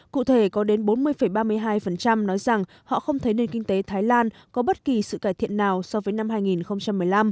cụ thể có đến bốn mươi ba mươi hai nói rằng họ không thấy nền kinh tế thái lan có bất kỳ sự cải thiện nào so với năm hai nghìn một mươi năm